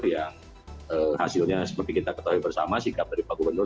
yang hasilnya seperti kita ketahui bersama sikap dari pak gubernur